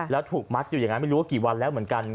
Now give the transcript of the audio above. แล้วถูกมัดอยู่อย่างนั้นไม่รู้ว่ากี่วันแล้วเหมือนกัน